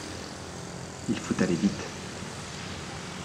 Il faut aller vite.